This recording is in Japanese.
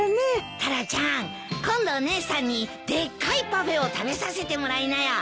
タラちゃん今度姉さんにでっかいパフェを食べさせてもらいなよ。